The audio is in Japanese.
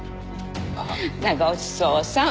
ほなごちそうさん。